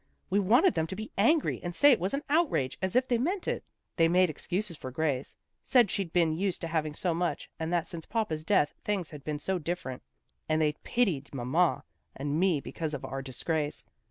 We wanted them to be angry and say it was an outrage, as if they meant it. They made excuses for Grace. Said she'd been used to having so much and that since papa's death things had been so different, and they pitied mamma and me because of our disgrace.